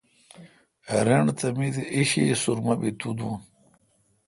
رݨ تہ می تے°ایݭی سرمہ بی تو دون۔